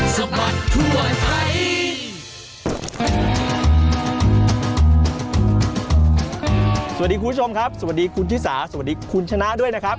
สวัสดีคุณผู้ชมครับสวัสดีคุณชิสาสวัสดีคุณชนะด้วยนะครับ